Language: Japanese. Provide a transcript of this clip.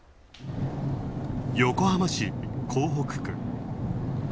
横浜市、港北区。